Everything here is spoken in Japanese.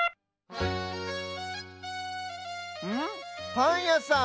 パンやさん。